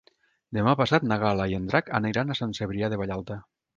Demà passat na Gal·la i en Drac aniran a Sant Cebrià de Vallalta.